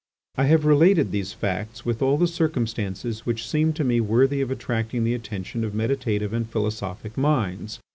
I have related these facts with all the circumstances which seemed to me worthy of attracting the attention of meditative and philosophic minds.